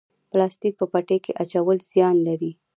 پلاستیک په پټي کې اچول زیان لري؟